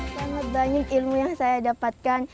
sangat banyak ilmu yang saya dapatkan